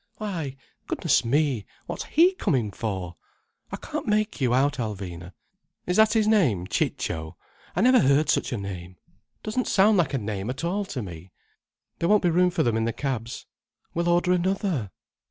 Why goodness me! What's he coming for? I can't make you out, Alvina. Is that his name, Chicho? I never heard such a name. Doesn't sound like a name at all to me. There won't be room for them in the cabs." "We'll order another."